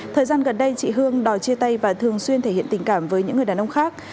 thời gian gần đây chị hương đòi chia tay và thường xuyên thể hiện tình cảm với những người đàn ông khác